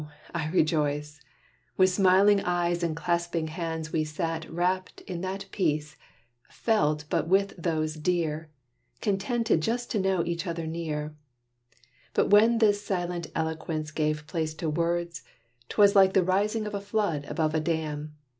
I rejoice," With smiling eyes and clasping hands we sat Wrapped in that peace, felt but with those dear, Contented just to know each other near. But when this silent eloquence gave place To words, 'twas like the rising of a flood Above a dam.